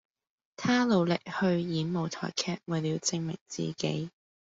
他努力去演舞台劇為了證明自己